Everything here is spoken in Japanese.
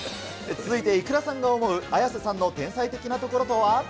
続いて、ｉｋｕｒａさんが思うＡｙａｓｅさんの天才的なところとは？